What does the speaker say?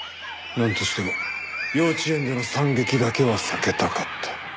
なんとしても幼稚園での惨劇だけは避けたかった。